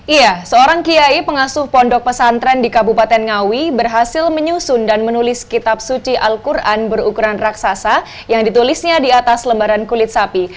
iya seorang kiai pengasuh pondok pesantren di kabupaten ngawi berhasil menyusun dan menulis kitab suci al quran berukuran raksasa yang ditulisnya di atas lembaran kulit sapi